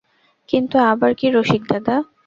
কিন্তু আবার কী রসিকদাদা?